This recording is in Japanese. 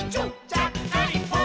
ちゃっかりポン！」